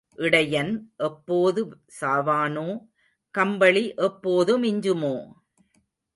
இடையன் எப்போது சாவானோ, கம்பளி எப்போது மிஞ்சுமோ?